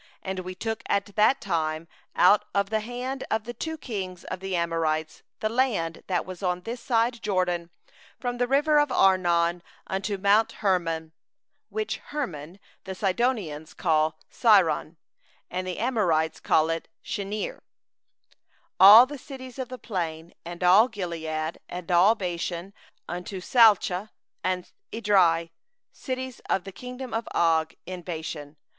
8And we took the land at that time out of the hand of the two kings of the Amorites that were beyond the Jordan, from the valley of Arnon unto mount Hermon— 9which Hermon the Sidonians call Sirion, and the Amorites call it Senir—10all the cities of the plain, and all Gilead, and all Bashan, unto Salcah and Edrei, cities of the kingdom of Og in Bashan.